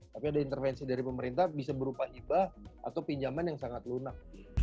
tapi ada intervensi dari pemerintah bisa berupa hibah atau pinjaman yang sangat lunak